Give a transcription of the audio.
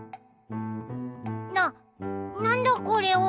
なっなんだこれは！？